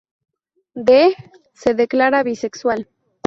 Dee se declara bisexual.